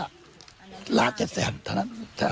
กลับวนมาซิทรศตร์ทั้งนั้นแหละ